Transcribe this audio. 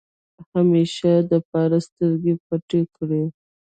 همېشه دپاره سترګې پټې کړې ۔